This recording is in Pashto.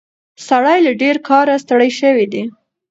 سړی له ډېر کاره ستړی شوی دی.